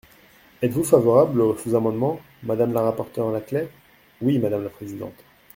Êtes-vous favorable au sous-amendement, madame la rapporteure Laclais ? Oui, madame la présidente.